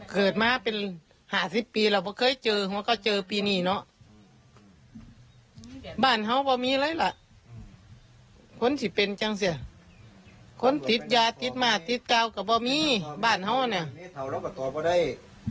คนติดยาติดหมาติดกาวก็ไม่มีบ้านห้อเนี่ย